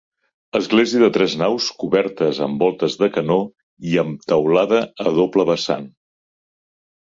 Església de tres naus, cobertes amb voltes de canó, i amb teulada a doble vessant.